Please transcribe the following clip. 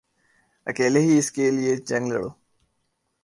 اکیلے ہی اس کیلئے جنگ لڑو